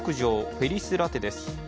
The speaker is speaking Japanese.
フェリスラテです。